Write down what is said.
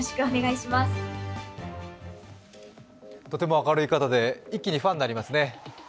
とても明るい方で一気にファンになりますね。